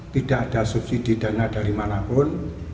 tidak ada subsidi dana dari manapun